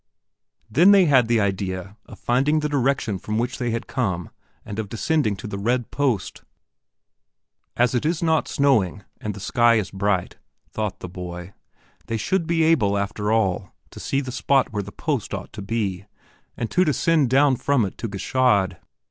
Then they had the idea of finding the direction from which they had come and of descending to the red post. As it is not snowing and the sky is bright, thought the boy, they should be able, after all, to see the spot where the post ought to be, and to descend down from it to Gschaid.